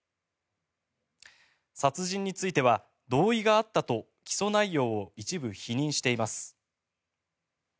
殺人については同意があったと起訴内容を一部否認しています。